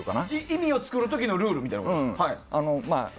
意味を作る時のルールみたいな。